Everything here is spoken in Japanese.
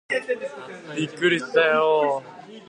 びっくりしたよー